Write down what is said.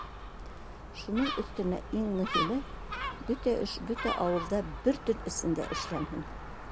Шуның өҫтөнә иң мөһиме — бөтә эш бөтә ауылда бер төн эсендә эшләнһен.